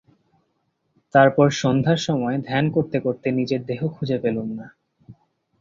তারপর সন্ধ্যার সময় ধ্যান করতে করতে নিজের দেহ খুঁজে পেলুম না।